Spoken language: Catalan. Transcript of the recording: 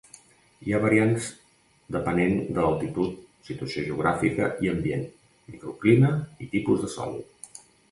Hi ha variants depenent de l'altitud, situació geogràfica i ambient, microclima i tipus de sòl.